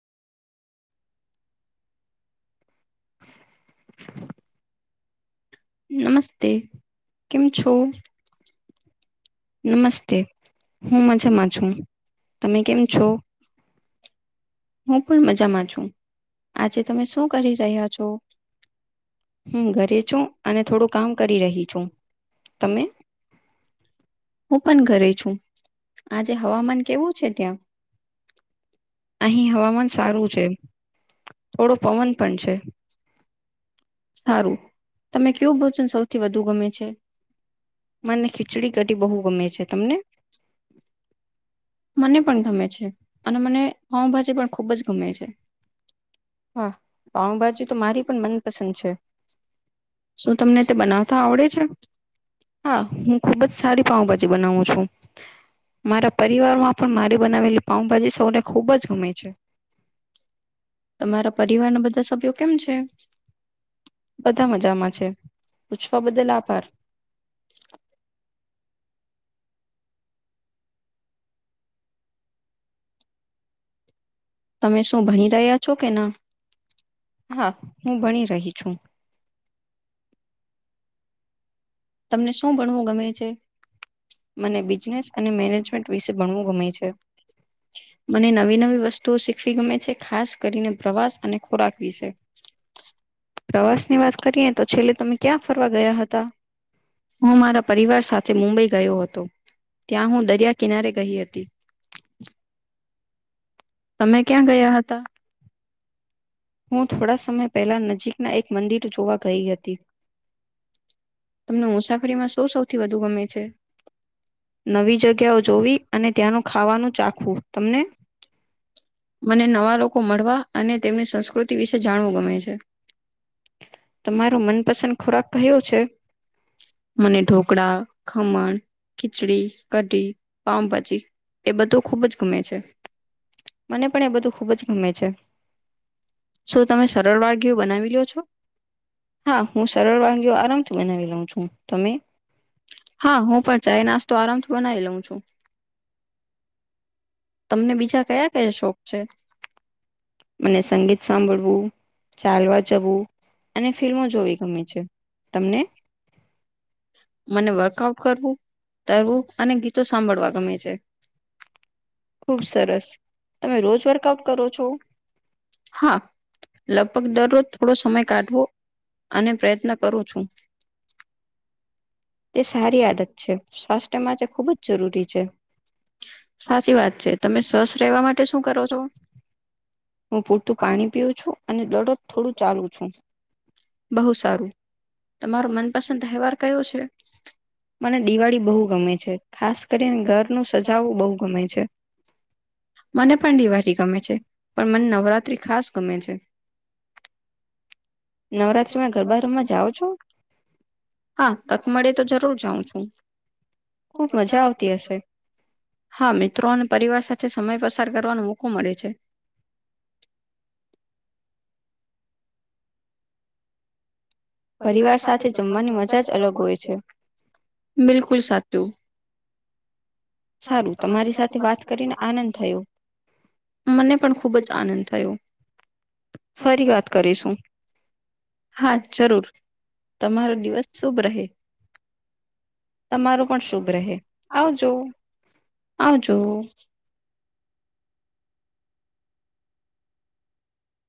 [inaudible] નમસ્તે. કેમ છો? નમસ્તે હું મજામાં છું તમે કેમ છો? હું પણ મજામાં છું. આજે તમે શું કરી રહ્યા છો? હ ઘરે છું અને થોડું કામ કરી રહી છું તમે? હું પણ ઘરે છું આજે હવામાન કેવું છે ત્યાં? અહીં હવામાન સારું છે. સારું તમે કેવું ભોજન સૌથી વધુ ગમે છે. મને ખીચડી કઢી બહુ ગમે છે. તમને? મને પણ ગમે છે અને મને પાઉભાજી પણ ખૂબ જ ગમે છે. શું તમને તે બનાવતા આવડે છે? હા હું ખુબ જ સારી પાઉભાજી બનાવું છું. તમારા પરિવારના બધા શું કેમ છે? બધા મજામાં છે પૂછવા બદલ આભાર. તમે શું ભણી રહ્યા છો કે ના? તમને શું ભણવું ગમે છે? મને નવી નવી વસ્તુઓ શીખવી ગમે છે. ખાસ કરીને પ્રવાસ અને ખોરાક વિશે. [inaudible] પ્રવાસ ની વાત કરીએ તો છેલ્લે તમે ક્યાં ફરવા ગયા હતા. હું મારા પરિવાર સાથે મુંબઈ ગયો હતો. ત્યાં હું દરિયા કિનારે કહી હતી. તમે ક્યાં ગયા હતા? થોડા સમય પહેલા નજીકમાં એક મંદિર જોવા ગય હતી. તમને મુસાફરીમાં શું સૌથી વધુ ગમે છે, નવી જગ્યાઓ જોવી અને ત્યાંનું ખાવાનું તમને? મને નવા લોકો મળવા. અને તેમની સંસ્કૃતિ તે વિશે જાણવું ગમે છે. તમારો મનપસંદ ખોરાક કેયો છે મને ઢોકળા ખમણ ખીચડી કઢી પામભાજી એ બધું ખુબ જ ગમે છે. મને પણ એ બધું ખુબ જ ગમે છે. શું તમે સરળ વાનગીયો બનવી લિયો છો હા હું પણ ચાાય નાસ્તો આરામથી બનાવી લઉ છું. [inaudible] તમને બીજા કયા કયા શોખ છે. મને સંગીત સાંભળવું. ચાલવા જવું અને ફિલ્મો જોવી ગમે છે તમને મને વર્કઆઉટ કરવું તરવું અને ગીતો સાંભળવા ગમે છે. સરસ રોજ વર્કઆઉટ કરો છો હા લગભગ દરરોજ થોડો સમય કાઢવો અને પ્રયત્ન કરો છું. એ સારીદત છે [unintelligible] સાચી વાત છે તમે સ્વસ્થ રહેવા માટે શું કરો છો. હું પૂરતું પાણી પીયો છું અને દરરોજ થોડું ચાલુ છું. બહુ સારું તમારો મનપસંદ તહેવાર કયો છે. [unintelligible] ગમે છે પણ મને નવરાત્રી ખાસ ગમે છે નવરાત્રી માં ગરબા રમમાં જાઓ છો હા તક મળે તો જરૂર જાઉં છું હા મિત્રો અને પરિવાર સાથે સમય પસાર કરવાનો મોકો મળે છે પરિવાર સાથે જમાવા ની મજા જ અલગ હોય છે બિલકુલ સાચું સારું તમારી સાથે વાત કરીને આનંદ થયો મને પણ ખુબ જ આનંદ થયો હા જરૂર તમારો દિવસ શુભ રહે તમારું પણ શુભ રહે આવજો